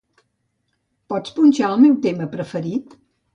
Pots punxar el meu tema preferit?